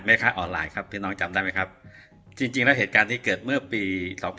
ออนไลน์ครับพี่น้องจำได้ไหมครับจริงแล้วเหตุการณ์นี้เกิดเมื่อปี๒๕๖